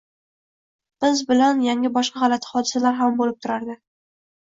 Biz bilan yana boshqa g`alati hodisalar ham bo`lib turardi